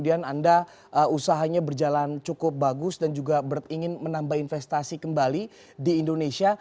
anda usahanya berjalan cukup bagus dan juga ingin menambah investasi kembali di indonesia